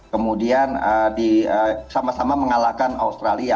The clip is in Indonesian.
kemudian sama sama mengalahkan australia